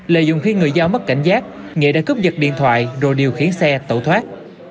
lợi dụng khi người giao mất cảnh giác nghị đã cướp giật điện thoại rồi điều khiển xe tẩu thoát